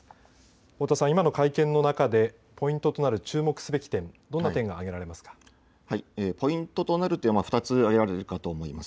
太田さん、今の会見の中でポイントとなる注目すべき点ポイントとなる点は２つ挙げられるかと思います。